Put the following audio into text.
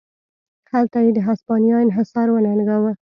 هلته یې د هسپانیا انحصار وننګاوه.